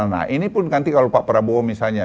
nah ini pun nanti kalau pak prabowo misalnya